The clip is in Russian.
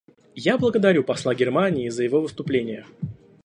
Я благодарю посла Германии за его выступление.